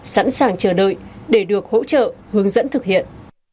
sẵn sàng chờ đợi để được hỗ trợ hướng dẫn thực hiện